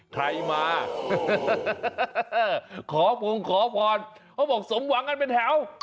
ใครมาขอพงขอพรเขาบอกสมหวังกันเป็นแถว